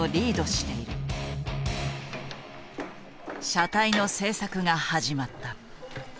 車体の製作が始まった。